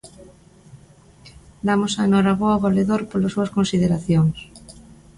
Damos a en hora boa ao Valedor polas súas consideracións.